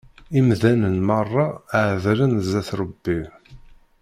Imdanen merra εedlen zzat Rebbi.